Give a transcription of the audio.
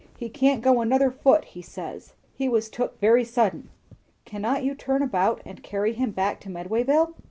He can't go another foot, he says. He was took quite sudden." "Cannot you turn about and carry him back to Medwayville?"